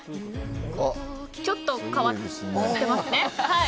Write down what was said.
ちょっと変わってますね。